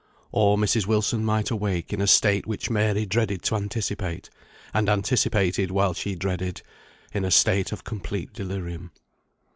Or Mrs. Wilson might awake in a state which Mary dreaded to anticipate, and anticipated while she dreaded; in a state of complete delirium.